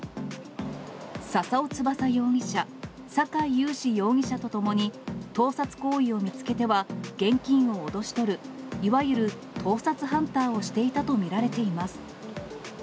笹尾翼容疑者、酒井勇志容疑者とともに、盗撮行為を見つけては現金を脅し取る、いわゆる盗撮ハンターをしていたと見られています。